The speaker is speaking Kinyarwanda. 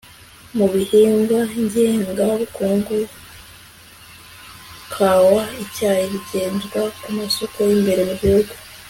mu bihingwa ngengabukungu, kawa n'icyayi bigezwa ku masoko y'imbere mu gihugu